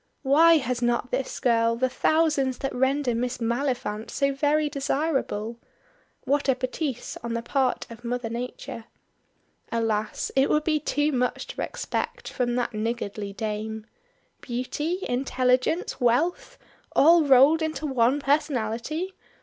Why has not this girl the thousands that render Miss Maliphant so very desirable? What a bêtise on the part of Mother Nature. Alas! it would be too much to expect from that niggardly Dame. Beauty, intelligence, wealth! All rolled into one personality.